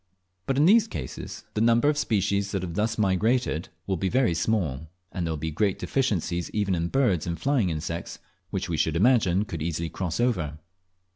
But in these cases the number of species that have thus migrated will be very small, and there will be great deficiencies even in birds and flying insects, which we should imagine could easily cross over.